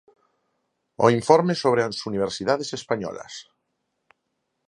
O informe sobre as universidades españolas.